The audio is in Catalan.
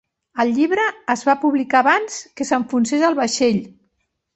El llibre es va publicar abans que s'enfonsés el vaixell.